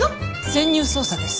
潜入捜査です。